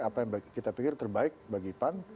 apa yang kita pikir terbaik bagi pan